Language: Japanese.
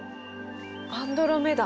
アンドロメダ。